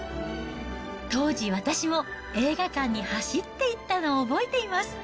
当時私も、映画館に走っていったのを覚えています。